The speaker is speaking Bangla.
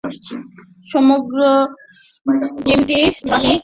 সমগ্র জমিটি মাটি ফেলিয়া ইতঃপূর্বেই সমতল করা হইয়া গিয়াছে।